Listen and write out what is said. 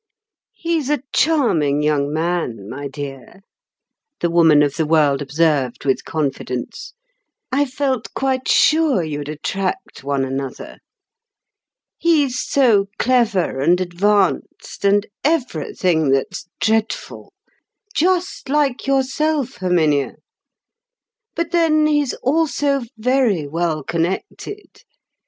"He's a charming young man, my dear," the woman of the world observed with confidence. "I felt quite sure you'd attract one another. He's so clever and advanced, and everything that's dreadful—just like yourself, Herminia. But then he's also very well connected.